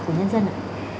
của nhân dân ạ